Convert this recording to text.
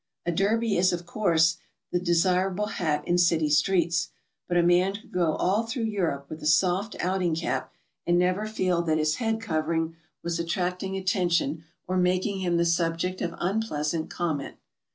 A Derby is, of course, the de sirable hat in city streets, but a man could go all through Europe with a soft outing cap and never feel that his head covering was attracting attention or making him the subject of unpleasant comment.